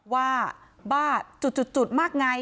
ว่าบ้าจุดมากไง